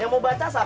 yang mau baca siapa